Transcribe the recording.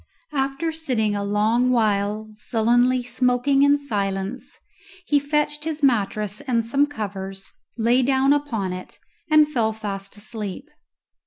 After sitting a long while sullenly smoking in silence, he fetched his mattress and some covers, lay down upon it, and fell fast asleep.